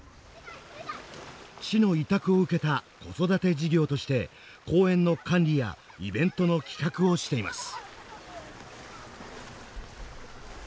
市の委託を受けた子育て事業として公園の管理やイベントの企画をしています。